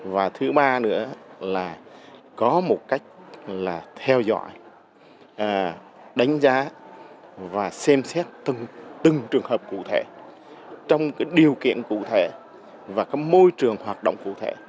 và thứ ba nữa là có một cách là theo dõi đánh giá và xem xét từng trường hợp cụ thể trong cái điều kiện cụ thể và cái môi trường hoạt động cụ thể